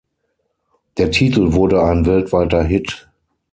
Der Titel wurde ein weltweiter Hit.